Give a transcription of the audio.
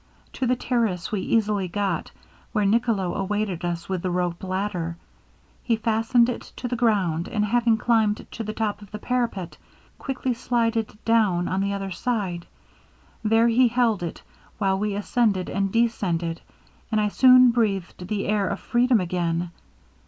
To the terrace we easily got, where Nicolo awaited us with the rope ladder. He fastened it to the ground; and having climbed to the top of the parapet, quickly slided down on the other side. There he held it, while we ascended and descended; and I soon breathed the air of freedom again.